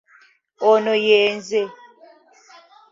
Ono ye nze.